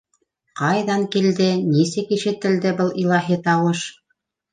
Ҡайҙан килде, нисек ишетелде был илаһи тауыш?